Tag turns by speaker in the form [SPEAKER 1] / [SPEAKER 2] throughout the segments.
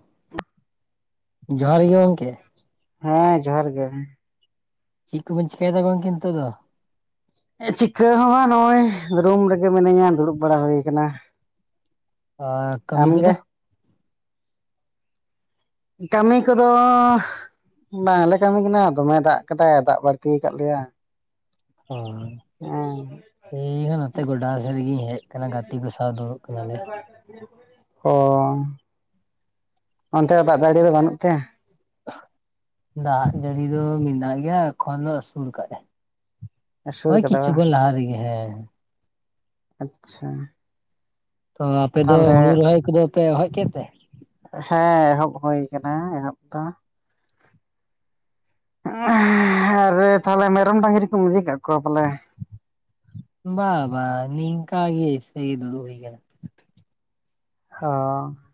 [SPEAKER 1] [inaudible]
[SPEAKER 2] ᱡᱚᱦᱟᱨ ᱜᱮ ᱜᱚᱝᱠᱮ
[SPEAKER 1] ᱦᱮᱸ ᱡᱚᱦᱟᱨ ᱜᱮ
[SPEAKER 2] ᱪᱤᱫ ᱠᱚ ᱵᱤᱱ ᱪᱤᱠᱟᱭ ᱫᱟᱜ ᱜᱚᱝᱠᱮ ᱱᱤᱛᱚᱜ ᱫᱚ
[SPEAKER 1] ᱮᱻᱪᱤᱠᱟᱹ ᱦᱚᱸ ᱱᱚᱜᱼᱚᱭ ᱨᱩᱢ ᱨᱮᱜᱮ ᱢᱤᱱᱟᱹᱧᱟ ᱫᱩᱲᱩᱵ ᱵᱟᱲᱟ ᱦᱳᱭ ᱟᱠᱟᱱᱟ
[SPEAKER 2] ᱟᱻᱠᱟᱹᱢᱤ ᱠᱚᱫᱚ
[SPEAKER 1] ᱟᱢᱜᱮ ᱠᱟᱹᱢᱤ ᱠᱚᱫᱚ ᱵᱟᱝ ᱞᱮ ᱠᱟᱹᱢᱤ ᱠᱟᱱᱟ ᱫᱚᱢᱮ ᱫᱟᱜ ᱠᱟᱫᱟᱭ ᱫᱟᱜ ᱵᱟᱹᱲᱛᱤ ᱟᱠᱟᱫ ᱞᱮᱭᱟᱭ
[SPEAKER 2] [unintelligible]
[SPEAKER 1] [unintelligible]
[SPEAKER 2] ᱤᱧ ᱦᱚᱸ ᱱᱚᱛᱮ ᱜᱚᱰᱟ ᱥᱮᱫ ᱨᱮ ᱜᱤᱧ ᱦᱮᱡ ᱠᱟᱱᱟ ᱜᱟᱛᱮ ᱠᱚ ᱥᱟᱶ ᱫᱩᱲᱩᱵ ᱟᱠᱟᱱᱟ ᱞᱮ
[SPEAKER 1] [unintelligible] ᱚᱱᱛᱮ ᱫᱚ ᱫᱟᱜ ᱡᱟᱹᱲᱤ ᱫᱚ ᱵᱟᱹᱱᱩᱜ ᱛᱮ
[SPEAKER 2] ᱫᱟᱜ ᱡᱟᱹᱲᱤ ᱫᱚ ᱢᱮᱱᱟᱜ ᱜᱮᱭᱟ ᱮᱠᱷᱚᱱ ᱫᱚ ᱟᱹᱥᱩᱲ ᱠᱟᱜᱟᱭ
[SPEAKER 1] ᱟᱹᱥᱩᱲ ᱠᱟᱫᱟ ᱵᱟᱝ ᱟᱪᱪᱷᱟ
[SPEAKER 2] ᱛᱚ ᱟᱯᱮᱫ ᱫᱚ
[SPEAKER 1] ᱛᱟᱦᱚᱞᱮ
[SPEAKER 2] ᱦᱩᱲᱩ ᱨᱚᱦᱚᱭ ᱠᱚᱫᱚ ᱯᱮ [unintelligible] ᱠᱮᱫ ᱛᱮ
[SPEAKER 1] ᱦᱮᱸ ᱮᱦᱚᱵ ᱦᱩᱭ ᱠᱟᱱᱟ ᱮᱦᱚᱵ ᱫᱚ ᱟᱨᱮ ᱛᱟᱦᱞᱮ ᱢᱮᱨᱚᱢ ᱰᱟᱝᱨᱤ ᱠᱚ ᱤᱫᱤ ᱠᱟᱜ ᱠᱚᱣᱟ ᱯᱟᱞᱮ
[SPEAKER 2] ᱵᱟ ᱵᱟ ᱱᱤᱝᱠᱟ ᱜᱮ ᱮᱥᱮ ᱜᱮ ᱫᱩᱲᱩ ᱦᱩᱭ ᱠᱟᱱᱟ
[SPEAKER 1] [unintelligible]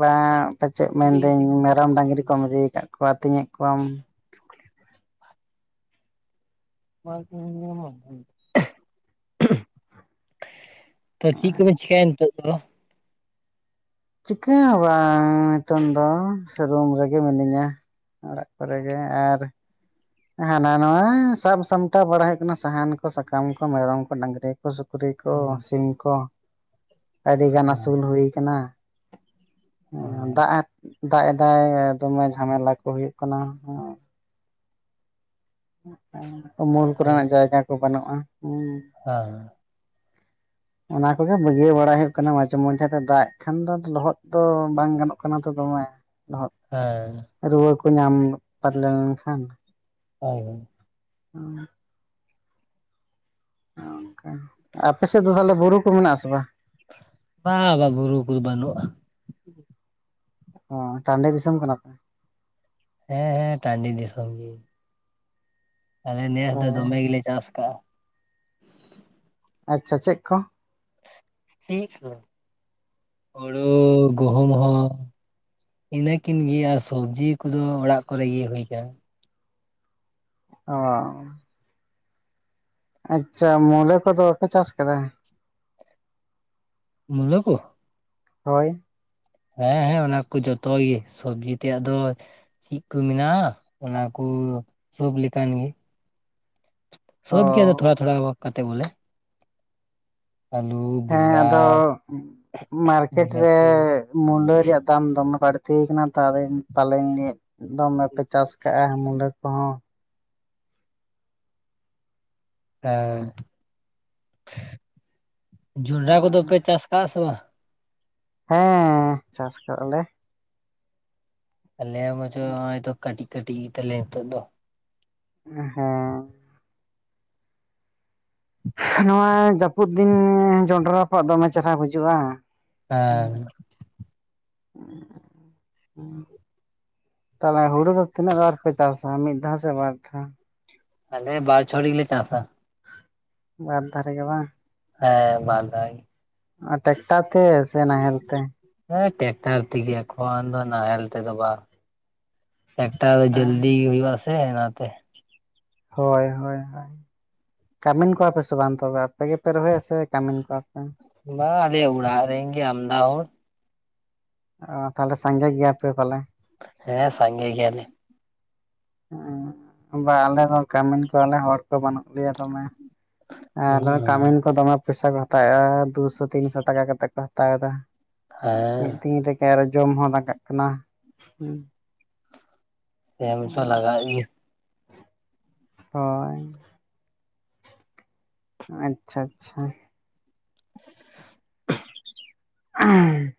[SPEAKER 1] ᱵᱟᱝ ᱯᱟᱪᱮᱫ ᱢᱮᱱ ᱫᱟᱹᱧ ᱢᱮᱨᱚᱢ ᱰᱟᱝᱨᱤ ᱠᱚᱢ
[SPEAKER 2] ᱠᱟᱱᱟ᱾
[SPEAKER 1] ᱤᱫᱤ ᱟᱠᱟᱫ ᱠᱚᱣᱟ ᱟᱹᱛᱤᱧ ᱮᱫ ᱠᱚᱣᱟᱢ
[SPEAKER 2] [inaudible] [unintelligible] ᱛᱚ ᱪᱤᱫ ᱠᱚ ᱵᱮᱱ ᱪᱤᱠᱟᱭᱟ ᱱᱤᱛᱚᱜ ᱫᱚ
[SPEAKER 1] ᱪᱤᱠᱟᱹ ᱦᱚᱸ ᱵᱟᱝ ᱱᱤᱛᱚᱝ ᱫᱚ ᱥᱮ ᱨᱩᱢ ᱨᱮᱜᱮ ᱢᱤᱱᱟᱹᱧᱟ ᱚᱲᱟᱜ ᱠᱚᱨᱮ ᱜᱮ ᱟᱨ ᱦᱮᱱᱟ ᱱᱟᱣᱟ ᱥᱟᱵ ᱥᱟᱢᱴᱟᱣ ᱵᱟᱲᱟ ᱦᱩᱭᱩᱜ ᱠᱟᱱᱟ ᱥᱟᱦᱟᱱ ᱠᱚ ᱥᱟᱠᱟᱢ ᱠᱚ ᱢᱮᱨᱚᱢ ᱠᱚ ᱰᱟᱝᱨᱤ ᱠᱚ [unintelligible] ᱥᱩᱠᱨᱤ ᱠᱚ
[SPEAKER 2] ᱦᱮᱸ
[SPEAKER 1] ᱥᱤᱢ ᱠᱚ ᱟᱹᱰᱤ ᱜᱟᱱ ᱟᱹᱥᱩᱞ ᱦᱩᱭ ᱠᱟᱱᱟ ᱫᱟᱜ ᱮ ᱫᱟᱜ ᱮᱫᱟᱭ ᱫᱚᱢᱮ ᱡᱷᱟᱢᱮᱞᱟ ᱠᱚ ᱦᱩᱭᱩᱜ ᱠᱟᱱᱟ ᱩᱢᱩᱞ ᱠᱚ ᱨᱮᱱᱟᱜ ᱡᱟᱭᱜᱟ ᱠᱚ ᱵᱟᱹᱱᱩᱜᱼᱟ
[SPEAKER 2] [unintelligible]
[SPEAKER 1] ᱚᱱᱟ ᱠᱚᱜᱮ ᱵᱟᱹᱜᱤᱭᱟᱹ ᱵᱟᱲᱟᱭ ᱦᱩᱭᱩᱜ ᱠᱟᱱᱟ ᱢᱟᱡᱷᱮ ᱢᱚᱫᱷᱮ ᱫᱟᱜ ᱮᱜ ᱠᱷᱟᱱ ᱫᱚ ᱞᱚᱦᱚᱫ ᱫᱚ ᱵᱟᱝ ᱜᱟᱱᱚᱜ ᱠᱟᱱᱟ ᱛᱚ ᱫᱚᱢᱮ [unintelligible]
[SPEAKER 2] [unintelligible]
[SPEAKER 1] ᱨᱩᱣᱟᱹ ᱠᱚ ᱧᱟᱢ ᱯᱟᱨ ᱞᱮᱱᱠᱷᱟᱱ
[SPEAKER 2] ᱦᱳᱭ ᱦᱳᱭ
[SPEAKER 1] [unintelligible] ᱚᱱᱠᱟ ᱟᱯᱮ ᱥᱮᱫ ᱫᱚ ᱛᱟᱦᱚᱞᱮ ᱵᱩᱨᱩ ᱠᱚ ᱢᱮᱱᱟᱜ ᱟᱥᱮ ᱵᱟᱝ?
[SPEAKER 2] ᱵᱟ-ᱟ ᱵᱩᱨᱩ ᱠᱚᱫᱚ ᱵᱟᱹᱱᱩᱜᱼᱟ᱾
[SPEAKER 1] ᱚ ᱴᱟᱺᱰᱮ ᱫᱤᱥᱚᱢ ᱠᱟᱱᱟ ᱯᱮ?
[SPEAKER 2] ᱦᱮᱸ ᱦᱮᱸ ᱴᱟᱺᱰᱤ ᱫᱤᱥᱚᱢ ᱜᱮ᱾ ᱟᱞᱮ ᱱᱮᱥ
[SPEAKER 1] ᱚ
[SPEAKER 2] ᱫᱚ ᱫᱚᱢᱮ ᱜᱮᱞᱮ ᱪᱟᱥ ᱟᱠᱟᱟᱜᱼᱟ᱾
[SPEAKER 1] ᱟᱪᱪᱷᱟ ᱪᱮᱫ ᱠᱚ?
[SPEAKER 2] [unintelligible] ᱦᱩᱲᱩ ᱜᱩᱦᱩᱢ ᱦᱚᱸ ᱤᱱᱟᱹᱠᱤᱱ ᱜᱮᱭᱟ ᱥᱚᱵᱽᱡᱤ ᱠᱚᱫᱚ ᱚᱲᱟᱜ ᱠᱚᱨᱮ ᱜᱮ ᱦᱩᱭ ᱟᱠᱟᱱ᱾
[SPEAKER 1] [unintelligible] ᱟᱪᱪᱷᱟ ᱢᱩᱞᱟᱹ ᱠᱚᱫᱚ ᱵᱟᱯᱮ ᱪᱟᱥ ᱟᱠᱟᱫᱟ?
[SPEAKER 2] ᱢᱩᱞᱟᱹ ᱠᱚ
[SPEAKER 1] ᱦᱳᱭ
[SPEAKER 2] ᱦᱮᱸ ᱦᱮᱸ ᱚᱱᱟ ᱠᱚ ᱡᱚᱛᱚ ᱜᱮ ᱥᱚᱵᱽᱡᱤ ᱛᱮᱭᱟᱜ ᱫᱚ ᱪᱮᱠ ᱠᱚ ᱢᱮᱱᱟᱜᱼᱟ ᱚᱱᱟ ᱠᱚ ᱥᱚᱵ ᱞᱮᱠᱟᱱ ᱜᱮ
[SPEAKER 1] ᱚ
[SPEAKER 2] ᱥᱚᱵᱜᱮ ᱛᱚ ᱛᱷᱚᱲᱟ ᱛᱷᱚᱲᱟ ᱥᱚᱵ ᱠᱟᱛᱮ ᱵᱚᱞᱮ ᱟᱞᱩ
[SPEAKER 1] ᱦᱮᱸ ᱟᱫᱚ ᱢᱟᱨᱠᱮᱴ ᱨᱮ
[SPEAKER 2] ᱵᱤᱞᱟᱹᱛᱤ
[SPEAKER 1] ᱢᱩᱞᱟᱹ ᱨᱮᱭᱟᱜ ᱫᱟᱢ ᱫᱚᱢᱮ ᱵᱟᱹᱲᱛᱤ ᱠᱟᱱᱟ ᱛᱚ [unintelligible] ᱫᱚᱢᱮ ᱯᱮ ᱪᱟᱥ ᱟᱠᱟᱜᱼᱟ ᱢᱩᱞᱟᱹ ᱠᱚᱦᱚᱸ
[SPEAKER 2] ᱦᱮᱸ ᱡᱚᱱᱰᱨᱟ ᱠᱚᱫᱚ ᱯᱮ ᱪᱟᱥ ᱟᱠᱟᱜᱼᱟ ᱥᱮ ᱵᱟᱝ?
[SPEAKER 1] ᱦᱮᱸ ᱪᱟᱥ ᱟᱠᱟᱜ ᱟᱞᱮ᱾
[SPEAKER 2] ᱟᱞᱮ ᱢᱚᱪᱚᱭ ᱱᱤᱛᱚᱜ ᱠᱟᱹᱴᱤᱡ ᱠᱟᱹᱴᱤᱡ ᱜᱮ ᱛᱟᱞᱮᱭᱟ ᱱᱤᱛᱚᱜ ᱫᱚ
[SPEAKER 1] ᱦᱮᱸᱻ ᱱᱚᱣᱟ ᱡᱟᱹᱯᱩᱫ ᱫᱤᱱ ᱡᱚᱱᱰᱨᱟ ᱨᱟᱯᱟᱜ ᱫᱚᱢᱮ ᱪᱮᱦᱨᱟ ᱵᱩᱡᱩᱜᱼᱟ [unintelligible]
[SPEAKER 2] ᱦᱮᱸ
[SPEAKER 1] ᱛᱟᱦᱚᱞᱮ ᱦᱳᱲᱳ ᱫᱚ ᱛᱤᱱᱟᱹᱜ ᱫᱷᱟᱣ ᱯᱮ ᱪᱟᱥᱟ ᱢᱤᱫ ᱫᱷᱟᱣ ᱥᱮ ᱵᱟᱨ ᱫᱷᱟᱣ?
[SPEAKER 2] ᱟᱞᱮ ᱵᱟᱨ ᱪᱷᱚᱲ ᱜᱮᱞᱮ ᱪᱟᱥᱟ᱾
[SPEAKER 1] ᱵᱟᱨ ᱫᱷᱟᱨᱮ ᱜᱮ ᱵᱟᱝ?
[SPEAKER 2] ᱦᱮᱸ ᱵᱟᱨᱫᱷᱟᱣ ᱜᱮ᱾
[SPEAKER 1] ᱟᱨ ᱴᱮᱠᱴᱟᱨ ᱛᱮ ᱥᱮ ᱱᱟᱦᱮᱞ ᱛᱮ?
[SPEAKER 2] ᱦᱮᱸ ᱴᱨᱟᱠᱴᱟᱨ ᱛᱮᱜᱮ ᱮᱠᱷᱚᱱ ᱫᱚ ᱱᱟᱦᱮᱞ ᱛᱮᱫᱚ ᱵᱟᱝ᱾ ᱴᱮᱠᱴᱟᱨ ᱫᱚ ᱡᱚᱞᱫᱤ ᱦᱩᱭᱩᱜᱼᱟ ᱥᱮ ᱚᱱᱟᱛᱮ᱾
[SPEAKER 1] ᱦᱳᱭ ᱦᱳᱭ ᱠᱟᱹᱢᱤᱱ ᱠᱚᱣᱟ ᱯᱮ ᱥᱮ ᱵᱟᱝ ᱛᱚᱵᱮ ᱟᱯᱮ ᱜᱮᱯᱮ ᱨᱚᱦᱚᱭᱟ ᱥᱮ ᱠᱟᱹᱢᱤᱱ ᱠᱚᱣᱟᱯᱮ?
[SPEAKER 2] ᱵᱟᱝ ᱟᱞᱮ ᱩᱲᱟᱜ ᱨᱮᱱ ᱜᱮ ᱟᱢᱫᱟ ᱦᱚᱲ
[SPEAKER 1] ᱛᱟᱦᱞᱮ ᱥᱟᱸᱜᱮ ᱜᱮᱭᱟ ᱯᱮ ᱯᱟᱞᱮ᱾
[SPEAKER 2] ᱦᱮᱸ ᱥᱟᱸᱜᱮ ᱜᱮᱭᱟᱞᱮ᱾
[SPEAKER 1] ᱦᱮᱸ ᱵᱟ ᱟᱞᱮ ᱫᱚ ᱠᱟᱹᱢᱤᱱ ᱠᱚᱣᱟᱞᱮ ᱦᱚᱲ ᱠᱚ ᱵᱟᱹᱱᱩᱜ ᱞᱮᱭᱟ ᱫᱚᱢᱮ᱾ ᱮᱸᱻ ᱠᱟᱹᱢᱤᱱ ᱠᱚ ᱫᱚᱢᱮ ᱯᱚᱭᱥᱟ ᱠᱚ ᱦᱟᱛᱟᱣᱮᱫᱟ ᱫᱩᱥᱚ ᱛᱤᱱᱥᱚ ᱴᱟᱠᱟ ᱠᱟᱛᱮᱫ ᱠᱚ ᱦᱟᱛᱟᱣ ᱮᱫᱟ᱾
[SPEAKER 2] ᱦᱮᱸ
[SPEAKER 1] ᱢᱤᱫ ᱫᱤᱱ ᱨᱮᱜᱮ ᱟᱨ ᱡᱚᱢ ᱦᱚᱸ ᱞᱟᱜᱟᱜ ᱠᱟᱱᱟ᱾
[SPEAKER 2] [unintelligible] ᱞᱟᱜᱟ ᱤᱫᱤ
[SPEAKER 1] ᱦᱳᱭ ᱟᱪᱪᱷᱟ ᱟᱪᱪᱷᱟ
[SPEAKER 2] [inaudible]
[SPEAKER 1] ᱟᱹᱦᱩᱢᱻ